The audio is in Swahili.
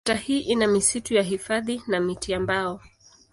Kata hii ina misitu ya hifadhi na miti ya mbao.